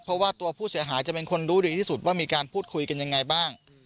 เพราะว่าตัวผู้เสียหายจะเป็นคนรู้ดีที่สุดว่ามีการพูดคุยกันยังไงบ้าง